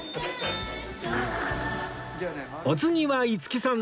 お次は五木さん。